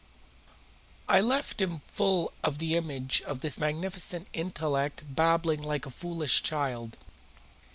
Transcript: I left him full of the image of this magnificent intellect babbling like a foolish child.